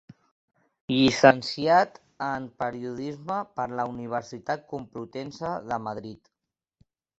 Llicenciat en periodisme per la Universitat Complutense de Madrid.